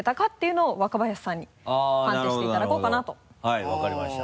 はい分かりました。